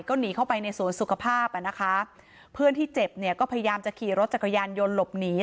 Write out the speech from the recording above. ก็หนีเข้าไปในสวนสุขภาพอ่ะนะคะเพื่อนที่เจ็บเนี่ยก็พยายามจะขี่รถจักรยานยนต์หลบหนี